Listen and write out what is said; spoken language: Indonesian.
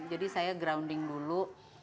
jadi saya grounding dulu